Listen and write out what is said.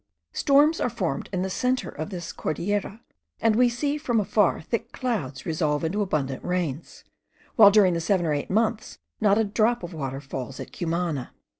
Storms are formed in the centre of this Cordillera; and we see from afar thick clouds resolve into abundant rains, while during seven or eight months not a drop of water falls at Cumana.